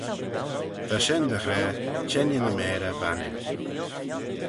Ta shen dy ghra, çhengey ny mayrey Vannin.